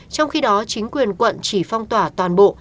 trong khi đó chính quyền quận chỉ phong tỏa toàn bộ